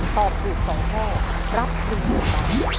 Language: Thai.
ตอบถูก๒ข้อรับ๑๐๐๐บาท